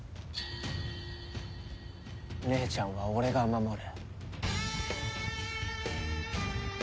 姉ちゃんは俺が守る。